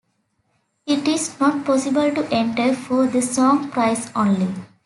It is not possible to enter for the "Song Prize" only.